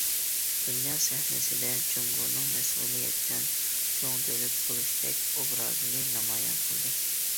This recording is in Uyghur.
دۇنيا سەھنىسىدە، جۇڭگونىڭ مەسئۇلىيەتچان چوڭ دۆلەت بولۇشتەك ئوبرازىنى نامايان قىلدى.